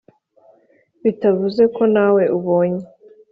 bitavuze ko nawe ubonye